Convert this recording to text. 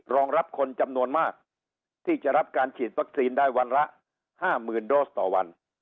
รองรับคนจำนวนมากที่จะรับการฉีดวัคซีนได้วันละ๕๐๐๐โดสต่อวัน